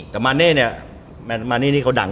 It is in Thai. แต่มาเน่เนี่ยเค้าดังอยู่ในที่นึง